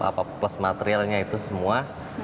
apa plus materialnya itu semua